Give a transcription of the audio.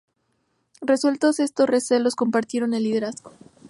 Resueltos estos recelos, compartieron el liderazgo.